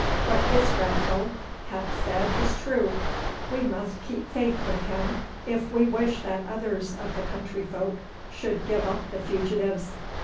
What this reptile hath said is true. We must keep faith with him if we wish that others of the country folk should give up the fugitives.